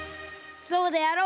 そうであろう。